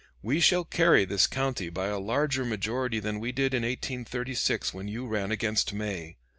We shall carry this county by a larger majority than we did in 1836 when you ran against May.